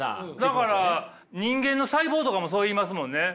だから人間の細胞とかもそう言いますもんね。